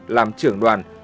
làm trưởng đoàn